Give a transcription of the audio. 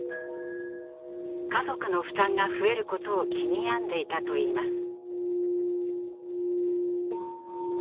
家族の負担が増えることを気に病んでいたといいます。